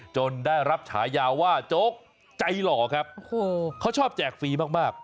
ได้รับฉายาว่าโจ๊กใจหล่อครับโอ้โหเขาชอบแจกฟรีมากมาก